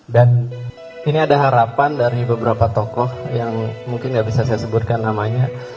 dan ini ada harapan dari beberapa tokoh yang mungkin gak bisa saya sebutkan namanya